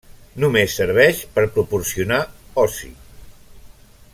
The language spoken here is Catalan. Només serveix per proporcionar oci.